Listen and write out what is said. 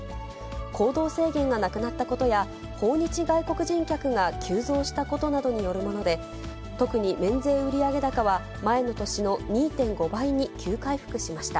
行動制限がなくなったことや、訪日外国人客が急増したことなどによるもので、特に免税売上高は前の年の２．５倍に急回復しました。